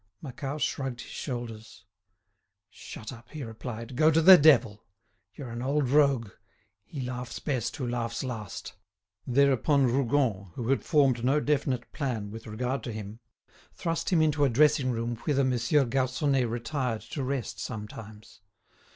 Macquart shrugged his shoulders. "Shut up," he replied; "go to the devil. You're an old rogue. He laughs best who laughs last." Thereupon Rougon, who had formed no definite plan with regard to him, thrust him into a dressing room whither Monsieur Garconnet retired to rest sometimes.